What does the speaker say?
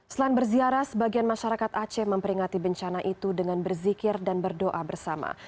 selain berziarah sebagian masyarakat aceh memperingati bencana itu dengan berzikir dan berdoa bersama